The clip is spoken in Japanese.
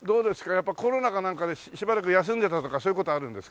やっぱコロナかなんかでしばらく休んでたとかそういう事あるんですか？